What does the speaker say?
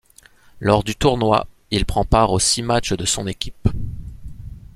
Lors du tournoi il prend part aux six matchs de son équipe.